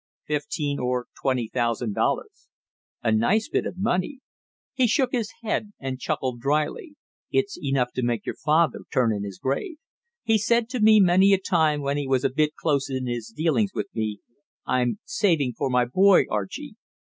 "Fifteen or twenty thousand dollars." "A nice bit of money!" He shook his head and chuckled dryly. "It's enough to make your father turn in his grave. He's said to me many a time when he was a bit close in his dealings with me, 'I'm, saving for my boy, Archie.'